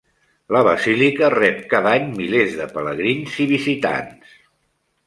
La Basílica rep cada any milers de pelegrins i visitants.